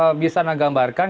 ya nur hadi bisa anda gambarkan